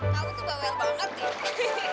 kamu tuh bawa el banget ya